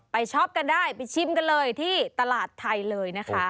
ช็อปกันได้ไปชิมกันเลยที่ตลาดไทยเลยนะคะ